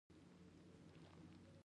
فلزات برېښنا ښه لیږدوي.